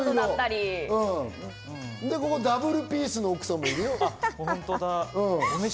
ダブルピースの奥さんもいるよ。